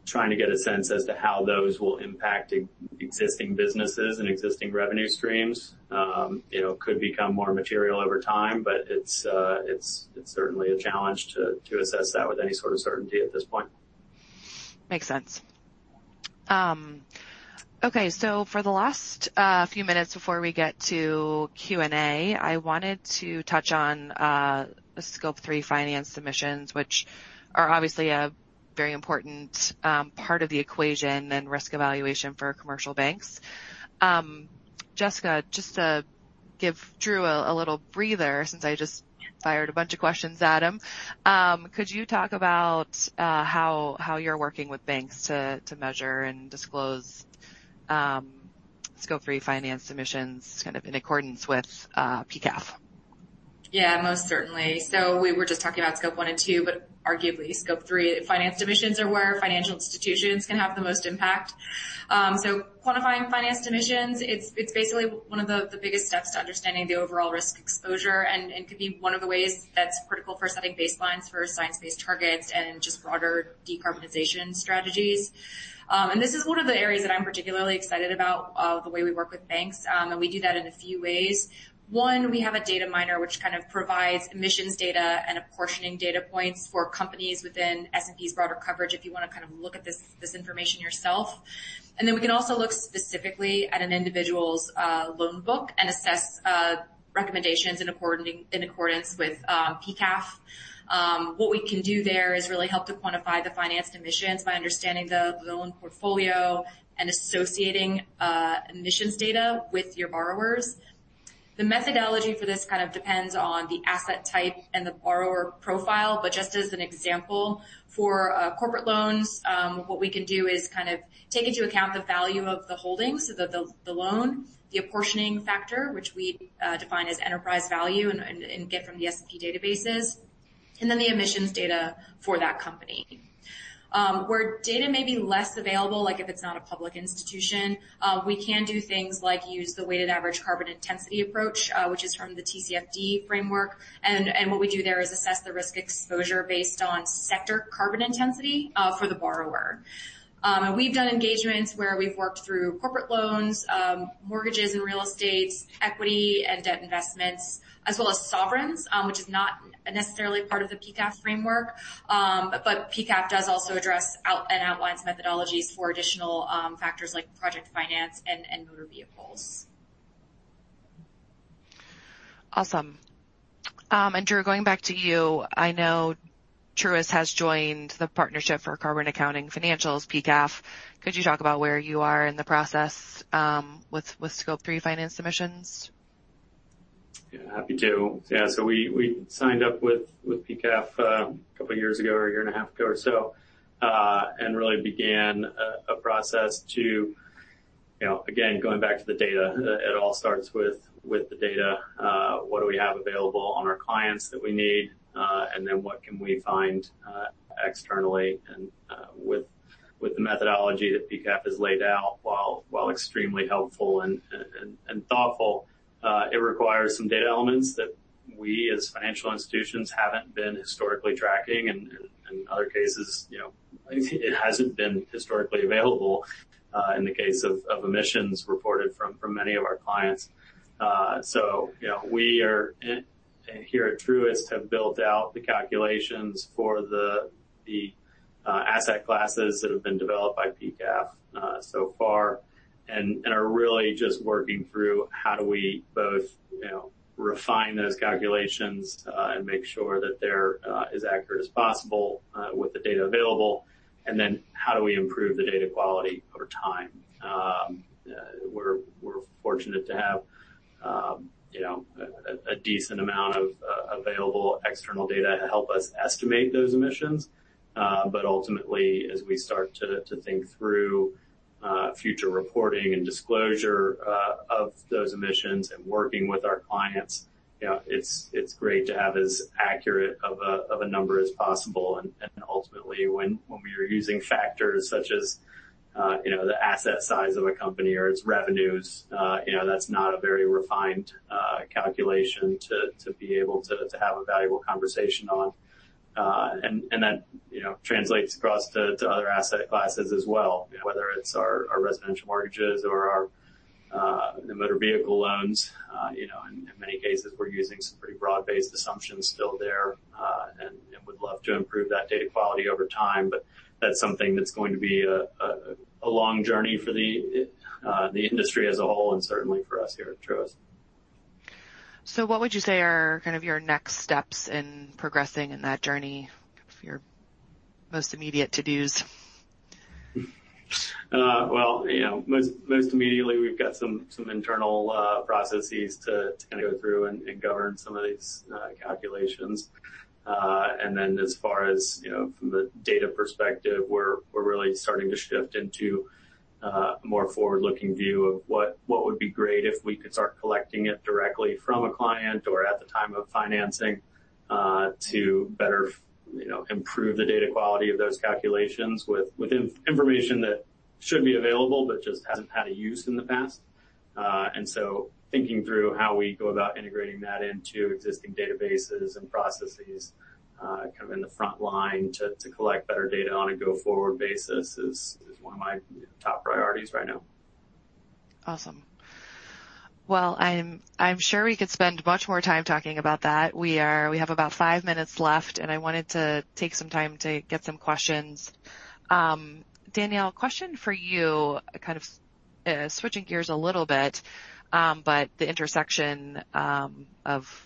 trying to get a sense as to how those will impact existing businesses and existing revenue streams, you know, could become more material over time. It's certainly a challenge to assess that with any sort of certainty at this point.
Makes sense. Okay, for the last few minutes before we get to Q&A, I wanted to touch on Scope 3 finance emissions, which are obviously a very important part of the equation and risk evaluation for commercial banks. Jessica, just to give Drew a little breather, since I just fired a bunch of questions at him, could you talk about how you're working with banks to measure and disclose Scope 3 finance emissions, kind of in accordance with PCAF?
Yeah, most certainly. We were just talking about Scope 1 and 2, but arguably Scope 3, finance emissions are where financial institutions can have the most impact. Quantifying finance emissions, it's basically one of the biggest steps to understanding the overall risk exposure, and could be one of the ways that's critical for setting baselines for science-based targets and just broader decarbonization strategies. This is one of the areas that I'm particularly excited about, the way we work with banks, and we do that in a few ways. One, we have a data miner, which kind of provides emissions data and apportioning data points for companies within S&P's broader coverage, if you want to kind of look at this information yourself. We can also look specifically at an individual's loan book and assess recommendations in accordance with PCAF. What we can do there is really help to quantify the financed emissions by understanding the loan portfolio and associating emissions data with your borrowers. The methodology for this kind of depends on the asset type and the borrower profile. Just as an example, for corporate loans, what we can do is kind of take into account the value of the holdings, so the loan, the apportioning factor, which we define as enterprise value and get from the S&P databases, and then the emissions data for that company. Where data may be less available, like if it's not a public institution, we can do things like use the weighted average carbon intensity approach, which is from the TCFD framework. What we do there is assess the risk exposure based on sector carbon intensity, for the borrower. We've done engagements where we've worked through corporate loans, mortgages and real estates, equity and debt investments, as well as sovereigns, which is not necessarily part of the PCAF framework. PCAF does also address and outlines methodologies for additional factors like project finance and motor vehicles.
Awesome. Drew, going back to you, I know Truist has joined the Partnership for Carbon Accounting Financials, PCAF. Could you talk about where you are in the process, with Scope 3 finance emissions?
Yeah, happy to. Yeah, so we signed up with PCAF, a couple of years ago, or a year and a half ago or so, and really began a process to, you know. Again, going back to the data, it all starts with the data. What do we have available on our clients that we need? Then what can we find externally and, with the methodology that PCAF has laid out, while extremely helpful and, and thoughtful, it requires some data elements that we, as financial institutions, haven't been historically tracking, and, in other cases, you know, it hasn't been historically available, in the case of emissions reported from many of our clients. You know, we are, and here at Truist, have built out the calculations for the asset classes that have been developed by PCAF so far, and are really just working through how do we both, you know, refine those calculations, and make sure that they're as accurate as possible with the data available, and then how do we improve the data quality over time? We're fortunate to have, you know, a decent amount of available external data to help us estimate those emissions. Ultimately, as we start to think through future reporting and disclosure of those emissions and working with our clients, you know, it's great to have as accurate of a number as possible. Ultimately, when we are using factors such as, you know, the asset size of a company or its revenues, you know, that's not a very refined calculation to be able to have a valuable conversation on. That, you know, translates across to other asset classes as well, whether it's our residential mortgages or our the motor vehicle loans. You know, in many cases, we're using some pretty broad-based assumptions still there, and would love to improve that data quality over time, but that's something that's going to be a long journey for the industry as a whole, and certainly for us here at Truist.
What would you say are kind of your next steps in progressing in that journey for your most immediate to-dos?
Well, you know, most immediately, we've got some internal processes to go through and govern some of these calculations. And then as far as, you know, from the data perspective, we're really starting to shift into a more forward-looking view of what would be great if we could start collecting it directly from a client or at the time of financing, to better, you know, improve the data quality of those calculations with information that should be available but just hasn't had a use in the past. And so thinking through how we go about integrating that into existing databases and processes, kind of in the front line to collect better data on a go-forward basis is one of my top priorities right now.
Awesome. I'm sure we could spend much more time talking about that. We have about five minutes left. I wanted to take some time to get some questions. Danielle, question for you, kind of, switching gears a little bit, the intersection of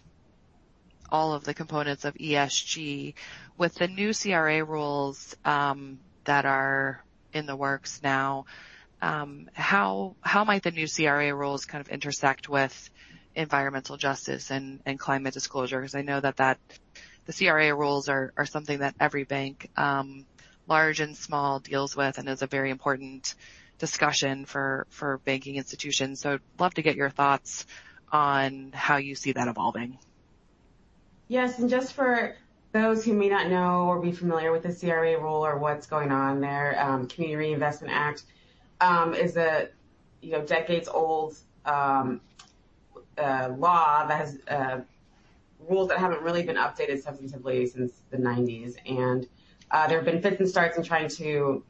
all of the components of ESG. With the new CRA rules that are in the works now, how might the new CRA rules kind of intersect with environmental justice and climate disclosure? I know the CRA rules are something that every bank, large and small, deals with and is a very important discussion for banking institutions. I'd love to get your thoughts on how you see that evolving.
Yes, just for those who may not know or be familiar with the CRA rule or what's going on there, Community Reinvestment Act is a, you know, decades-old law that has rules that haven't really been updated substantively since the 1990s. There have been fits and starts in trying to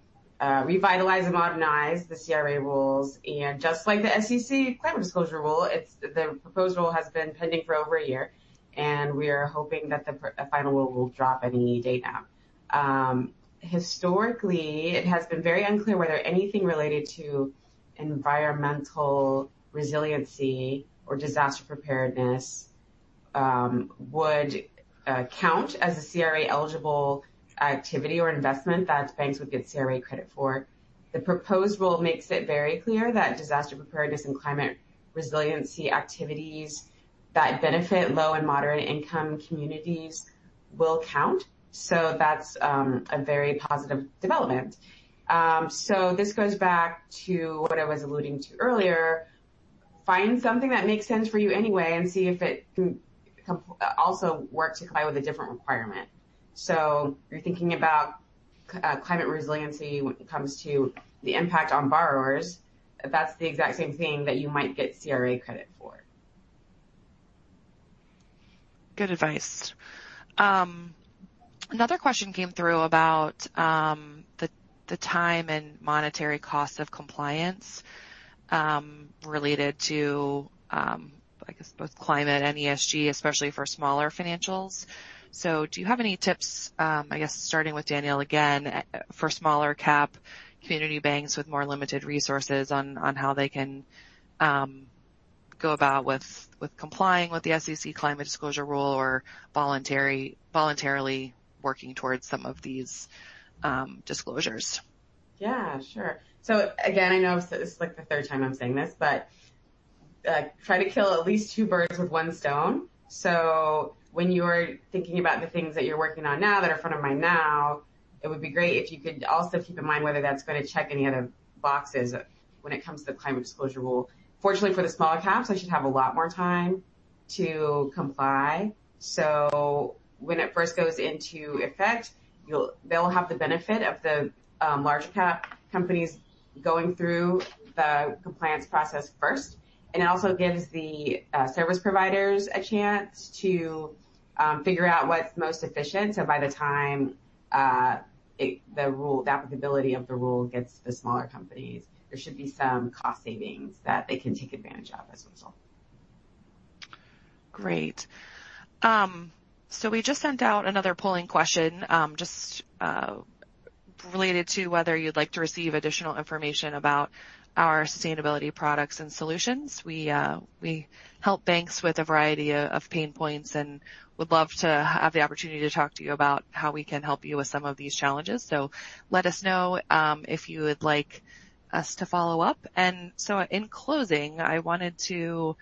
revitalize and modernize the CRA rules. Just like the SEC climate disclosure rule, the proposed rule has been pending for over a year, and we are hoping that the final rule will drop any day now. Historically, it has been very unclear whether anything related to environmental resiliency or disaster preparedness would count as a CRA-eligible activity or investment that banks would get CRA credit for. The proposed rule makes it very clear that disaster preparedness and climate resiliency activities that benefit low and moderate-income communities will count. That's a very positive development. This goes back to what I was alluding to earlier. Find something that makes sense for you anyway, and see if it can also work to comply with a different requirement. You're thinking about climate resiliency when it comes to the impact on borrowers. That's the exact same thing that you might get CRA credit for.
Good advice. Another question came through about the time and monetary cost of compliance, related to, I guess both climate and ESG, especially for smaller financials. Do you have any tips, I guess starting with Danielle again, for smaller cap community banks with more limited resources on how they can go about with complying with the SEC climate disclosure rule or voluntarily working towards some of these disclosures?
Yeah, sure. Again, I know this is, like, the third time I'm saying this, but try to kill at least two birds with one stone. When you are thinking about the things that you're working on now, that are front of mind now, it would be great if you could also keep in mind whether that's going to check any other boxes when it comes to the climate disclosure rule. Fortunately, for the smaller caps, they should have a lot more time to comply. When it first goes into effect, they'll have the benefit of the larger cap companies going through the compliance process first. It also gives the service providers a chance to fi`gure out what's most efficient. By the time it...The rule, the applicability of the rule gets to the smaller companies, there should be some cost savings that they can take advantage of as a result.
Great. We just sent out another polling question, just related to whether you'd like to receive additional information about our sustainability products and solutions. We help banks with a variety of pain points and would love to have the opportunity to talk to you about how we can help you with some of these challenges. Let us know if you would like us to follow up. In closing, I wanted to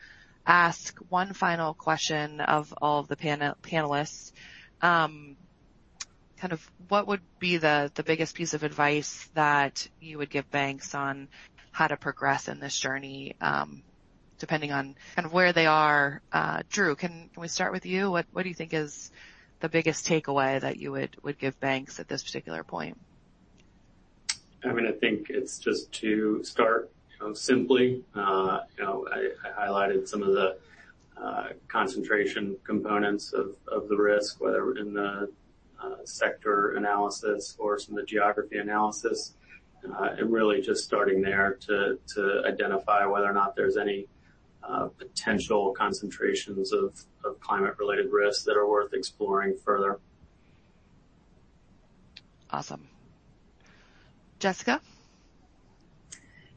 ask one final question of all the panelists. Kind of what would be the biggest piece of advice that you would give banks on how to progress in this journey, depending on kind of where they are? Drew, can we start with you? What do you think is the biggest takeaway that you would give banks at this particular point?
I mean, I think it's just to start, you know, simply. I highlighted some of the concentration components of the risk, whether in the sector analysis or some of the geography analysis, and really just starting there to identify whether or not there's any potential concentrations of climate-related risks that are worth exploring further.
Awesome. Jessica?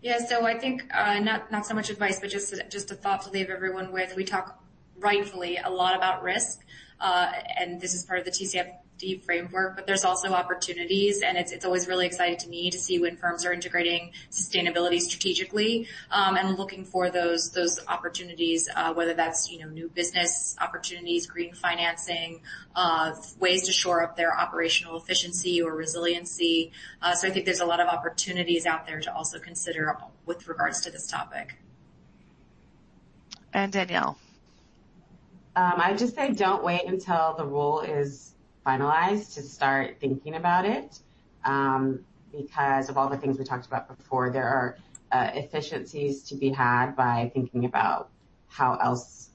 Yeah. I think, not so much advice, but just a thought to leave everyone with. We talk rightfully a lot about risk, and this is part of the TCFD framework, but there's also opportunities, and it's always really exciting to me to see when firms are integrating sustainability strategically, and looking for those opportunities, whether that's, you know, new business opportunities, green financing, ways to shore up their operational efficiency or resiliency. I think there's a lot of opportunities out there to also consider with regards to this topic.
Danielle.
I'd just say don't wait until the rule is finalized to start thinking about it, because of all the things we talked about before, there are efficiencies to be had by thinking about how else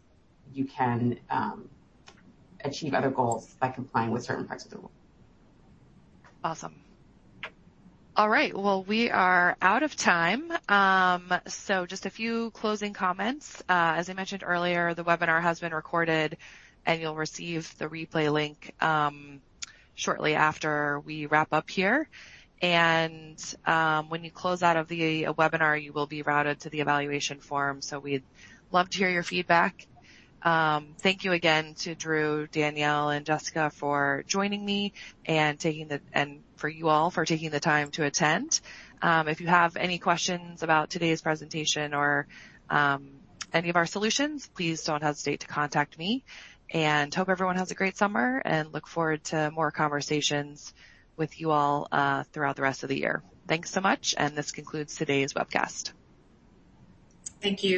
you can achieve other goals by complying with certain parts of the rule.
Awesome. All right, well, we are out of time. Just a few closing comments. As I mentioned earlier, the webinar has been recorded, and you'll receive the replay link shortly after we wrap up here. When you close out of the webinar, you will be routed to the evaluation form, so we'd love to hear your feedback. Thank you again to Drew, Danielle, and Jessica for joining me and for you all for taking the time to attend. If you have any questions about today's presentation or any of our solutions, please don't hesitate to contact me. Hope everyone has a great summer, and look forward to more conversations with you all throughout the rest of the year. Thanks so much. This concludes today's webcast.
Thank you.